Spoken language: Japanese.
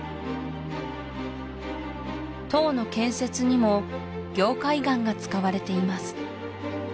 塔の建設にも凝灰岩が使われています